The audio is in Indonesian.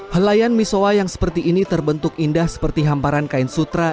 helayan misoa yang seperti ini terbentuk indah seperti hamparan kain sutra